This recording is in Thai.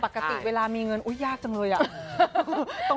ปกติเวลามีเงินอุ๊ยยากจังเลยอ่ะ